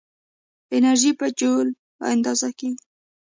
انرژي په جول اندازه کېږي.